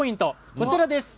こちらです。